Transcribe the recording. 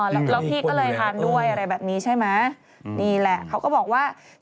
แล้วพี่ก็เลยทานด้วยอะไรแบบนี้ใช่ไหมนี่แหละเขาก็บอกว่า